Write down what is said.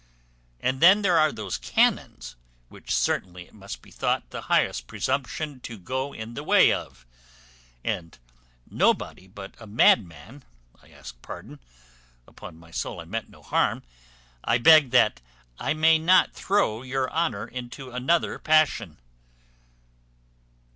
And then there are those cannons, which certainly it must be thought the highest presumption to go in the way of; and nobody but a madman I ask pardon; upon my soul I meant no harm; I beg I may not throw your honour into another passion."